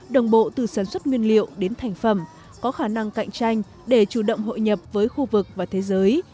đồng bộ từ sản xuất nguyên liệu đến thành phẩm có khả năng cạnh tranh để chủ động hội nhập với khu vực và thế giới